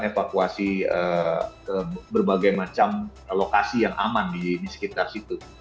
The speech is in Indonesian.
evakuasi ke berbagai macam lokasi yang aman di sekitar situ